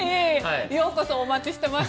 ようこそお待ちしてました。